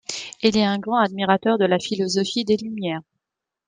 Il est un grand admirateur de la philosophie des Lumières.